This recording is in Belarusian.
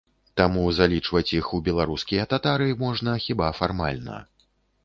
Таму залічваць іх у беларускія татары можна хіба фармальна.